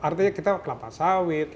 artinya kita kelapa sawit